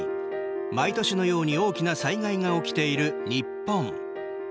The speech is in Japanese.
毎年のように大きな災害が起きている日本。